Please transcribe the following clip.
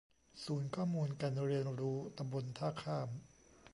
ศูนย์ข้อมูลการเรียนรู้ตำบลท่าข้าม